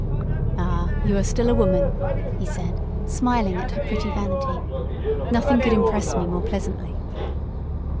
"Ah, you are still a woman," he said, smiling at her pretty vanity. "Nothing could impress me more pleasantly."